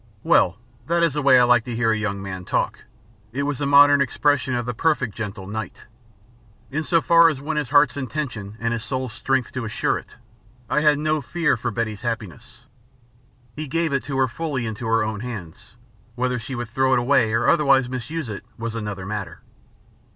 Well that is the way I like to hear a young man talk. It was the modern expression of the perfect gentle knight. In so far as went his heart's intention and his soul's strength to assure it, I had no fear for Betty's happiness. He gave it to her fully into her own hands; whether she would throw it away or otherwise misuse it was another matter.